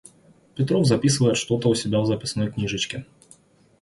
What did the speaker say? Петров записывает что-то у себя в записной книжечке.